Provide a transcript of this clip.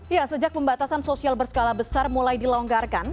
ya sejak pembatasan sosial berskala besar mulai dilonggarkan